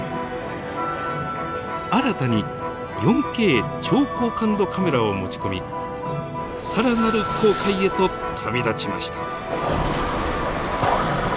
新たに４Ｋ超高感度カメラを持ち込み更なる航海へと旅立ちました。